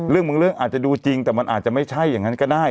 บางเรื่องอาจจะดูจริงแต่มันอาจจะไม่ใช่อย่างนั้นก็ได้